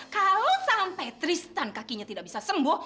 kalo sampe tristan kakinya tidak bisa sembuh